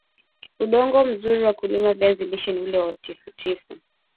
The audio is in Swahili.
udongo mzuri wa kulimia viazi lishe ni ule wa tifutifu